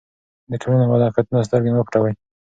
د ټولنې له واقعیتونو سترګې مه پټوئ.